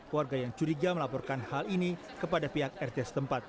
warga yang curiga melaporkan hal ini kepada pihak rt setempat